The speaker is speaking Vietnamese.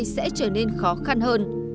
sẽ trở nên khó khăn hơn